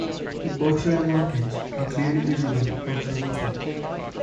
The Berkshire mountains are clearly visible from several points.